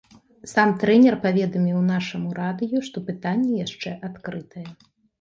Сам трэнер паведаміў нашаму радыё, што пытанне яшчэ адкрытае.